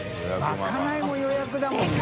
まかないも予約だもんね。